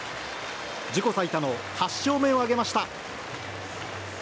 自己最多の８勝目を挙げました。